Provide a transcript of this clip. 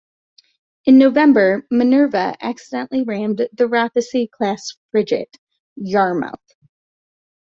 In November, "Minerva" accidentally rammed the "Rothesay"-class frigate "Yarmouth".